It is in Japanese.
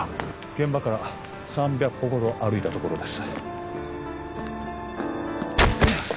現場から３００歩ほど歩いた所です